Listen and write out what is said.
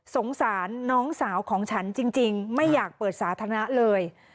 สงสารน้องสาวของฉันจริงไม่อยากเปิดสาธารณะเลย